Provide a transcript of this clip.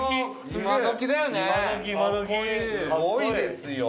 すごいですよ！